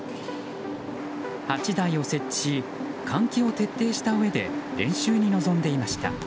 ８台を設置し換気を徹底したうえで練習に臨んでいました。